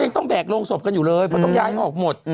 ต้องแบกโรงศพกันอยู่เลยเพราะต้องย้ายมาออกหมด